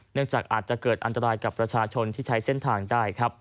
จากอาจจะเกิดอันตรายกับประชาชนที่ใช้เส้นทางได้ครับ